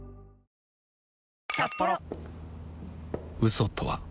嘘とは